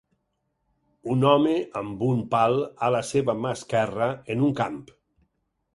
Un home amb un pal a la seva mà esquerra en un camp